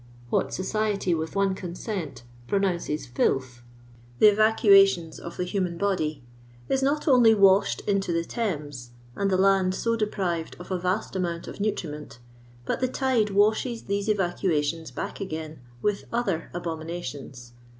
What siciety with one consent pronouncesfilth — theera cuatiins of the human bi^y — is not only washed into the Thames, and the land so deprived of a vast amount of nutriment, but the tide washes these evi cuations back again, with other alKimi nations.